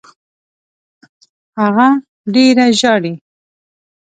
هغه ډېره ژاړي.